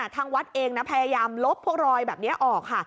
ทางวัดเองนะพยายามลบพวกรอยแบบนี้ออกค่ะ